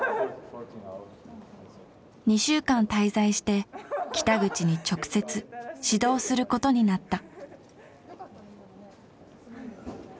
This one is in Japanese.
２週間滞在して北口に直接指導することになった。